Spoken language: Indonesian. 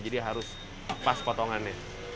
jadi harus pas potongannya